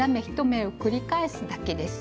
１目を繰り返すだけです。